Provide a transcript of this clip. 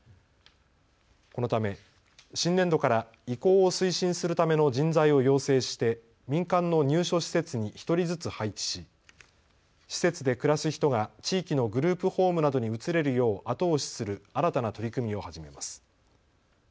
このため新年度から移行を推進するための人材を養成して民間の入所施設に１人ずつ配置し施設で暮らす人が地域のグループホームなどに移れるよう後押しする新たな取り組みを始めます。